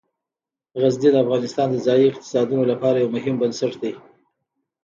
غزني د افغانستان د ځایي اقتصادونو لپاره یو مهم بنسټ دی.